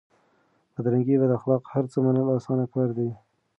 بدرنګي بداخلاق هرڅه منل اسان کار دی؛